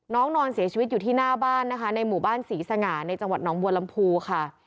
นอนเสียชีวิตอยู่ที่หน้าบ้านนะคะในหมู่บ้านศรีสง่าในจังหวัดน้องบัวลำพูค่ะ